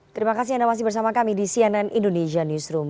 terima kasih anda masih bersama kami di cnn indonesia newsroom